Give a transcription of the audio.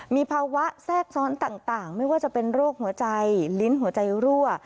มีภาวะแทรกซ้อนต่างไม่ว่าจะเป็นโรคหัวใจลิ้นหัวใจรั่ว